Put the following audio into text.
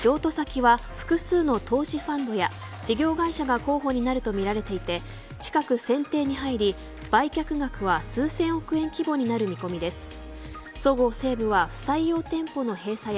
関係者によると譲渡先は複数の投資ファンドや事業会社が候補になるとみられていて近く選定に入り売却額は数千億円規模になる見込みです。